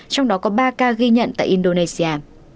trong đó có ba ca ghi nhận tại indonesia